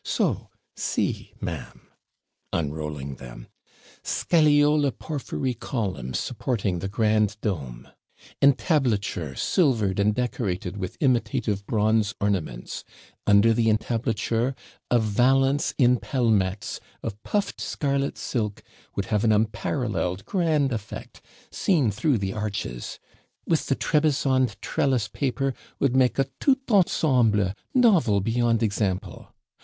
So see, ma'am (unrolling them) scagliola porphyry columns supporting the grand dome entablature, silvered and decorated with imitative bronze ornaments; under the entablature, A VALANCE IN PELMETS, of puffed scarlet silk, would have an unparalleled grand effect, seen through the arches with the TREBISOND TRELLICE PAPER, would make a TOUT ENSEMBLE, novel beyond example.